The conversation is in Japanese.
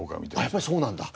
やっぱりそうなんだ。